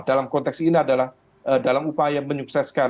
dalam konteks ini adalah dalam upaya menyukseskan